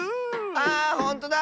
あほんとだ！